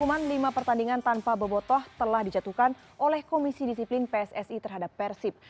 pengumuman lima pertandingan tanpa bebotoh telah dijatuhkan oleh komisi disiplin pssi terhadap persib